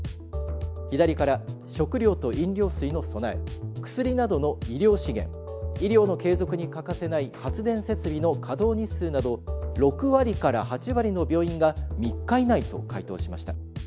左から食料と飲料水の備え薬などの医療資源医療の継続に欠かせない発電設備の稼働日数など６割から８割の病院が３日以内と回答しました。